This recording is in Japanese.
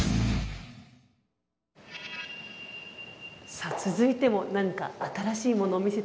さあ続いても何か新しいものを見せて頂けそうです。